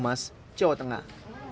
mas jawa tengah